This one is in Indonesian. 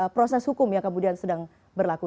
proses hukum yang kemudian sedang berlaku